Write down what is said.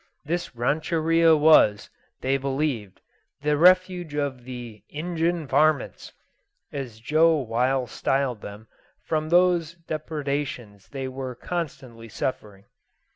This rancheria was, they believed, the refuge of the "Ingin varmints," as Joe While styled them, from whose depredations they were constantly suffering.